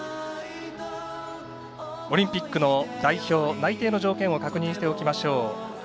オリンピックの代表内定の条件を確認しておきましょう。